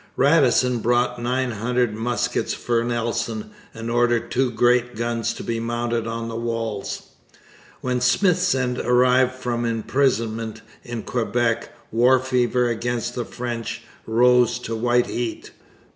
Radisson bought nine hundred muskets for Nelson, and ordered two great guns to be mounted on the walls. When Smithsend arrived from imprisonment in Quebec, war fever against the French rose to white heat.